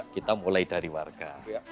kita mulai dari warga